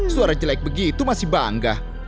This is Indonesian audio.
suara jelek begitu masih bangga